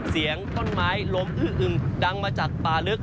เสียงต้นไม้ล้มอื้ออึงดังมาจากป่าลึก